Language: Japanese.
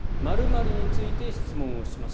○○について質問をします。